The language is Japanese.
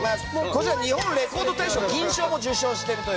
こちら、日本レコード大賞銀賞も受賞していると。